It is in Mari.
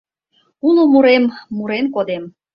Уло мурем мурен кодем